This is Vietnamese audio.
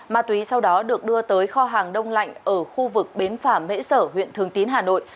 ma túy sau đó được đưa tới kho hàng đông lạnh ở khu vực bến phả mễ sở huyện thường tín hà nội